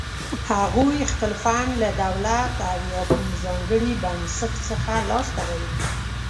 هغوی خپل فنډ له دولت او یا کوم ځانګړي بنسټ څخه لاس ته راوړي.